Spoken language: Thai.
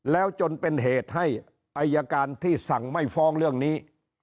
แล้วจนเป็นเหตุให้อายการที่สั่งไม่ฟ้องเรื่องนี้